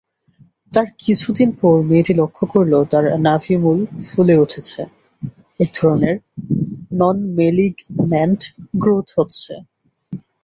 তার কিছুদিন পর মেয়েটি লক্ষ করল তার নাভিমূল ফুলে উঠেছে-একধরনের ননম্যালিগন্যান্ট গ্রোথ হচ্ছে।